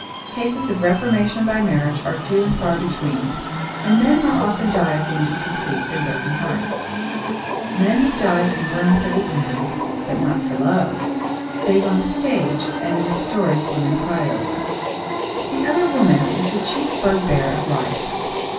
Cases of reformation by marriage are few and far between, and men more often die of wounded conceit than broken hearts. "Men have died and worms have eaten them, but not for love," save on the stage and in the stories women cry over. [Sidenote: "The Other Woman"] "The other woman" is the chief bugbear of life.